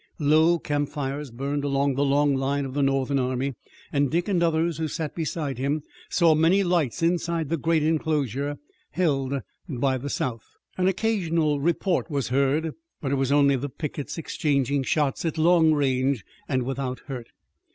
Low campfires burned along the long line of the Northern army, and Dick and others who sat beside him saw many lights inside the great enclosure held by the South. An occasional report was heard, but it was only the pickets exchanging shots at long range and without hurt.